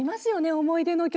思い出の曲。